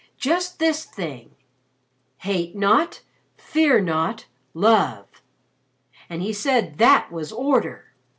Just this thing 'Hate not, Fear not, Love.' And he said that was Order.